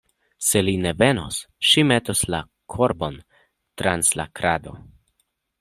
Se li ne venos, ŝi metos la korbon trans la krado.